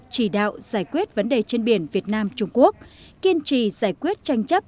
chỉ đạo giải quyết vấn đề trên biển việt nam trung quốc kiên trì giải quyết tranh chấp